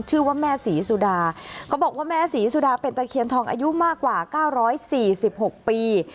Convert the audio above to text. ชื่อว่าแม่ศรีสุดาเขาบอกว่าแม่ศรีสุดาเป็นตะเคียนทองอายุมากกว่า๙๔๖ปี